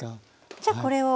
じゃあこれを。